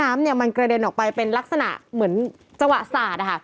มันกระเด็นออกไปเป็นลักษณะเหมือนจวะสาดฮะ